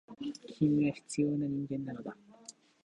君は必要な人間なのだ。